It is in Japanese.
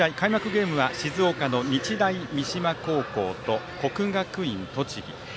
ゲームは静岡の日大三島高校と国学院栃木。